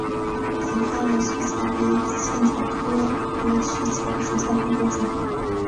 紫花螺序草为茜草科螺序草属下的一个种。